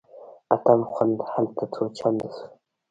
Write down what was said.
اتڼ خوند هلته څو چنده شو.